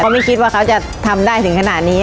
ไม่คิดว่าเขาจะทำได้ถึงขนาดนี้